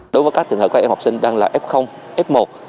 đối với các trường hợp các em học sinh đang là f f một